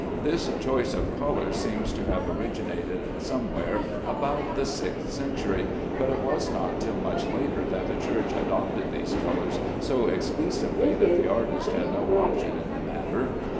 This choice of colors seems to have originated somewhere about the sixth century, but it was not till much later that the Church adopted these colors so exclusively that the artist had no option in the matter.